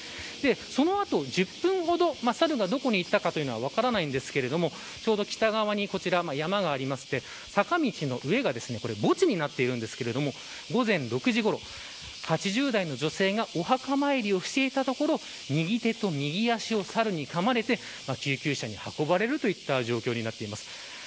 その後、１０分ほどサルがどこにいったかというのは分からないんですけれどもちょうど北側にこちら、山がありまして坂道の上が墓地になっているんですけども午前６時ごろ８０代の女性がお墓参りをしていたところ右手と右足をサルにかまれて救急車に運ばれるといった状況になっています。